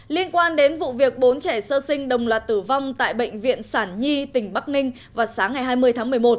liên quan đến vụ việc bốn trẻ sơ sinh đồng loạt tử vong tại bệnh viện sản nhi tỉnh bắc ninh vào sáng ngày hai mươi tháng một mươi một